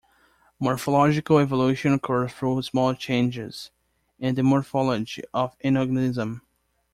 Morphological evolution occurs through small changes in the morphology of an organism.